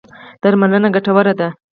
درملنه ګټوره ده.